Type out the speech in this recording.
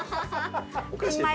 おかしい。